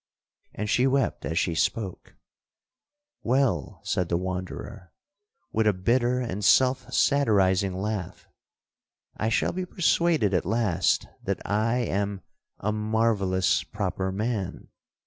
And she wept as she spoke. 'Well,' said the wanderer, with a bitter and self satirizing laugh, 'I shall be persuaded at last that I am 'a marvellous proper man.'